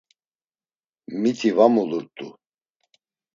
Miti va mulurt̆u.